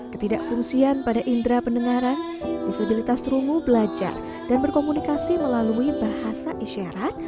ketidakfungsian pada indera pendengaran disabilitas rungu belajar dan berkomunikasi melalui bahasa isyarat